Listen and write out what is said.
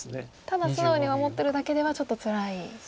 ただ素直に守ってるだけではちょっとつらいですか。